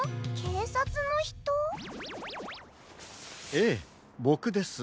ええボクです。